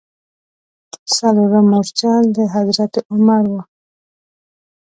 څلورم مورچل د حضرت عمر و.